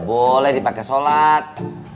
boleh dipakai sholat